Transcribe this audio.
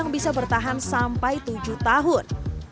bisa bertahan sampai tujuh tahun